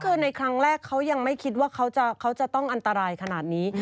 คือในครั้งแรกเขายังไม่คิดว่าเขาจะต้องอันตรายขนาดนี้